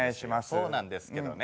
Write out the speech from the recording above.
そうなんですけどね